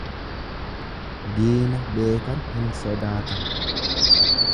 Diina beekan hin sodaatan.